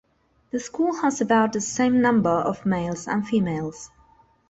The school has about the same number of males and females.